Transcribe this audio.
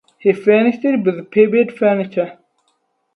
He furnished it with period furniture.